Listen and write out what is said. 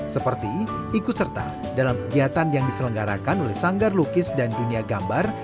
seperti ikut serta dalam kegiatan yang diselenggarakan oleh sanggar lukis dan dunia gambar